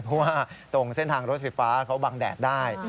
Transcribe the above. เพราะว่าตรงเส้นทางรถไฟฟ้าเขาบังแดดได้